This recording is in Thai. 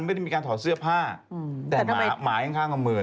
ไม่ได้มีการถอดเสื้อผ้าแต่หมาข้างกับมือ